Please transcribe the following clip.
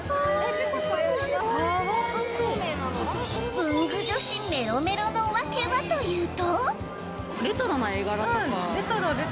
文具女子メロメロのわけはというと。